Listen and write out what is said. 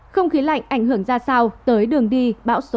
không khí lạnh ảnh hưởng ra sao tới đường đi bão số năm